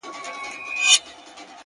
د گلو كر نه دى چي څوك يې پــټ كړي ـ